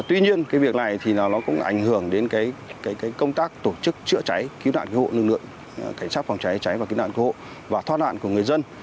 tuy nhiên việc này cũng ảnh hưởng đến công tác tổ chức chữa cháy cứu nạn của hộ nương lượng cảnh sát phòng cháy cháy và cứu nạn của hộ và thoát nạn của người dân